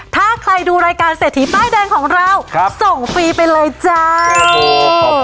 ถ้าใครดูรายการเศรษฐีป้ายแดงของเราส่งฟรีไปเลยจ้า